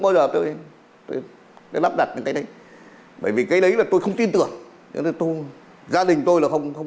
bao giờ tôi lắp đặt cái đấy bởi vì cái đấy là tôi không tin tưởng cho tôi gia đình tôi là không không